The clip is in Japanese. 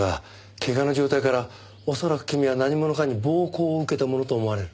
けがの状態から恐らく君は何者かに暴行を受けたものと思われる。